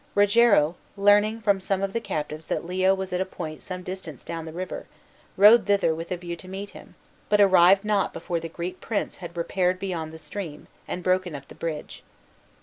Rogero, learning from some of the captives that Leo was at a point some distance down the river, rode thither with a view to meet him, but arrived not before the Greek prince had retired beyond the stream, and broken up the bridge.